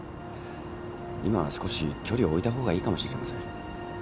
今は少し距離を置いた方がいいかもしれません。